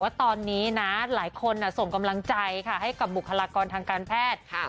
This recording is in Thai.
ว่าตอนนี้นะหลายคนส่งกำลังใจค่ะให้กับบุคลากรทางการแพทย์